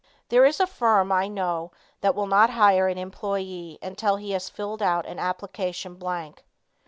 There is a firm I know that will not hire an employee until he has filled out an application blank.